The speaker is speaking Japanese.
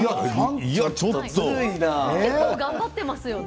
結構頑張っていますよね。